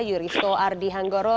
yuristo ardi hanggoro